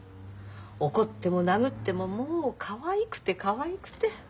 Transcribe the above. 怒っても殴ってももうかわいくてかわいくて。